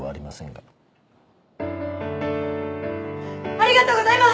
ありがとうございます！